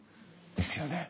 ですよね。